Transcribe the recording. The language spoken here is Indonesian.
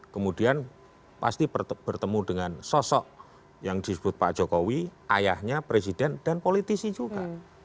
kemudian pasti bertemu dengan sosok yang disebut pak jokowi ayahnya presiden dan politisi juga